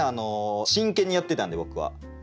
真剣にやってたんで僕は。